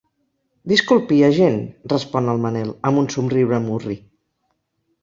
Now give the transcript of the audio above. Disculpi, agent —respon el Manel, amb un somriure murri—.